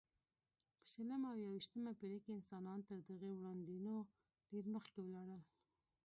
په شلمه او یویشتمه پېړۍ کې انسانان تر دغې وړاندوینو ډېر مخکې ولاړل.